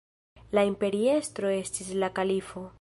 La imperiestro estis la kalifo.